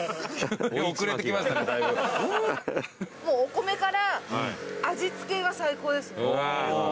お米から味付けが最高です。